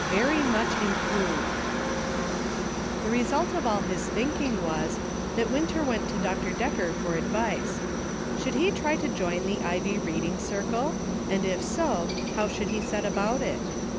"very much improved,*' THE result of all his thinking was, that Winter went to Dr. Decker for advice. Should he try to join the Ivy Reading Circle .• and if so, how should he set about it